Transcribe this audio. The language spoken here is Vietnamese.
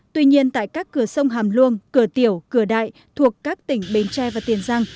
tuy nhiên tại các cửa sông hàm luông cửa tiểu cửa đại thuộc các tỉnh bến tre và tiền giang